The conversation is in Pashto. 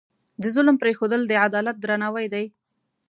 د ظلم پرېښودل، د عدالت درناوی دی.